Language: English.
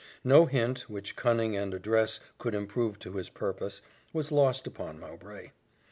No hint, which cunning and address could improve to his purpose, was lost upon Mowbray.